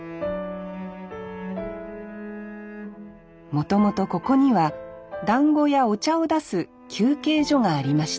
もともとここにはだんごやお茶を出す休憩所がありました。